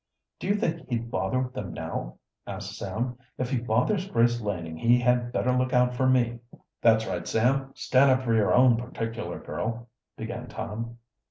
"Do you think he'd bother them now?" asked Sam. "If he bothers Grace Laning he had better look out for me." "That's right, Sam, stand up for your own particular girl " began Tom.